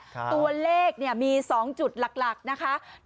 ตัวเลขมี๒จุดหลักนะคะ